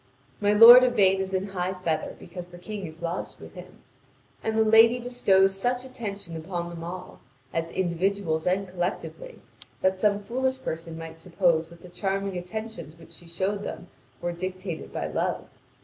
My lord Yvain is in high feather because the King is lodged with him. And the lady bestows such attention upon them all, as individuals and collectively, that some foolish person might suppose that the charming attentions which she showed them were dictated by love.